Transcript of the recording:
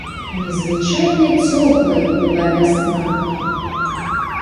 Незвычайна цёплаю была вясна.